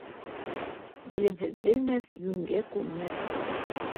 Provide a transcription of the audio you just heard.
Белемһеҙ белмәҫ, йүнгә күнмәҫ.